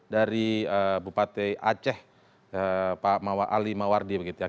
dari bupati aceh pak mawa ali mawardi begitu ya